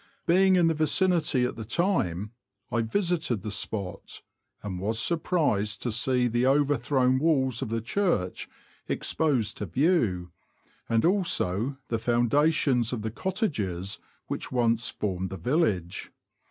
Being in the vicinity at the time, I visited the spot, and was surprised to see the overthrown walls of the church exposed to view, and also the foundations of the cottages which once formed the village.